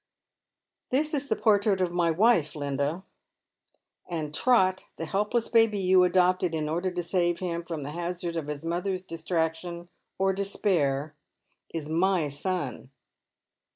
" This is the portrait of my wife, Linda ; and Trot, the help less baby you adopted in order to save him from the hazards of his mother's distraction or despair, is my son."